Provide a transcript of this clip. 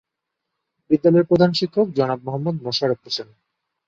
বিদ্যালয়ের প্রধান শিক্ষক জনাব মোহাম্মদ মোশাররফ হোসেন।